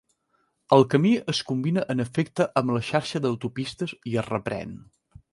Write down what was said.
El camí es combina en efecte amb la xarxa d'autopistes i es reprèn.